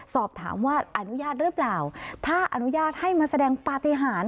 สอบถามว่าอนุญาตหรือเปล่าถ้าอนุญาตให้มาแสดงปฏิหาร